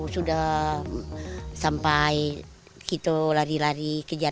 sudah sampai kita lari lari kejar kejar